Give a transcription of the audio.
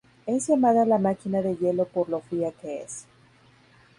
Es llamada la Maquina de Hielo por lo fría que es.